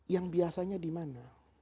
yang biasanya dimana